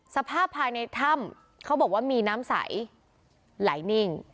สภาพภายในถ้ำเขาบอกว่ามีน้ำใสไหลนิ่ง